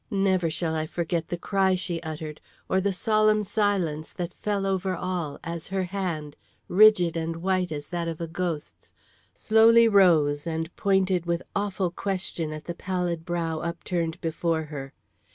Never shall I forget the cry she uttered, or the solemn silence that fell over all, as her hand, rigid and white as that of a ghost's, slowly rose and pointed with awful question at the pallid brow upturned before her.